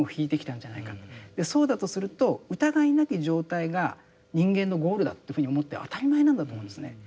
そうだとすると疑いなき状態が人間のゴールだというふうに思って当たり前なんだと思うんですね。